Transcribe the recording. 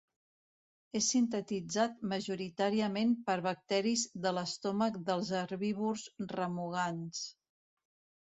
És sintetitzat majoritàriament per bacteris de l'estómac dels herbívors remugants.